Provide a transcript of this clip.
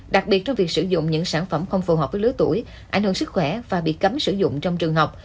đặc biệt trong việc sử dụng những sản phẩm không phù hợp với lứa tuổi ảnh hưởng sức khỏe và bị cấm sử dụng trong trường học